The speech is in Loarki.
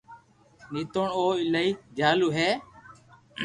نيتوڙ او ايلائي ديالو ھي